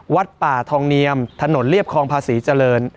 วัดป่าทองเนียมถนนเรียบคลองภาษีเจริญ